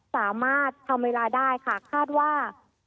สามารถทำเวลาได้ค่ะคาดว่า